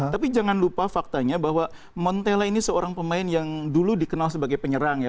tapi jangan lupa faktanya bahwa montella ini seorang pemain yang dulu dikenal sebagai penyerang ya